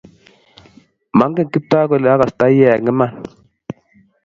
Mengen Kiptoo ole akastoi eng' iman.